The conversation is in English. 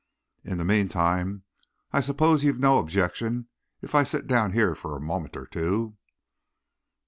"In the meantime, I suppose you've no objection if I sit down here for a moment or two?"